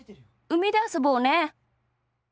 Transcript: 海で遊ぼうね。